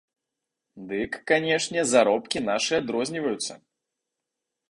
Дык, канешне, заробкі нашы адрозніваюцца!